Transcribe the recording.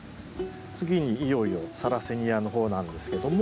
次にいよいよサラセニアの方なんですけども。